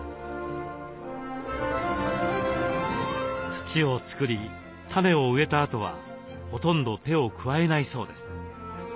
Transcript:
土を作り種を植えたあとはほとんど手を加えないそうです。